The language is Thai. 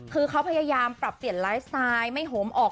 ทำปรับเปลี่ยนไลฟ์สไตล์ไม่โหมออก